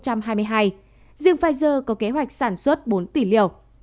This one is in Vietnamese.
riêng pier có kế hoạch sản xuất bốn tỷ liều